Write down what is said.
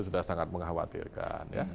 sudah sangat mengkhawatirkan